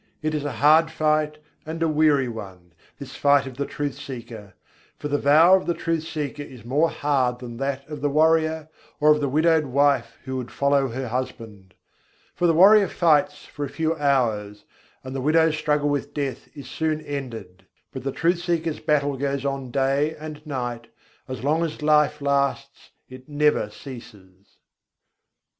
It is a hard fight and a weary one, this fight of the truth seeker: for the vow of the truth seeker is more hard than that of the warrior, or of the widowed wife who would follow her husband. For the warrior fights for a few hours, and the widow's struggle with death is soon ended: But the truth seeker's battle goes on day and night, as long as life lasts it never ceases." XXXVIII I.